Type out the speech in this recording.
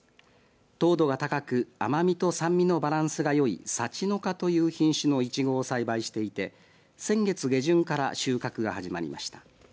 糖度が高く甘みと酸味のバランスがよいさちのかという品種のいちごを栽培していて先月下旬から収穫が始まりました。